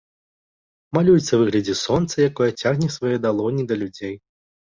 Малюецца ў выглядзе сонца, якое цягне свае далоні да людзей.